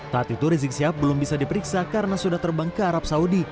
saat itu rizik sihab belum bisa diperiksa karena sudah terbang ke arab saudi